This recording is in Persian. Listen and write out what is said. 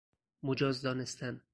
مجاز دانستن